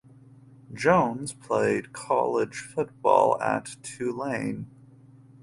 Jones played college football at Tulane.